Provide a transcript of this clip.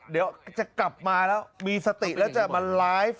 เดี๋ยวจะกลับมาแล้วมีสติแล้วจะมาไลฟ์